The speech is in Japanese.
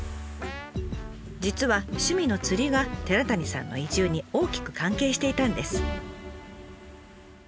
実は趣味の釣りが寺谷さんの移住に大きく関係していたんです。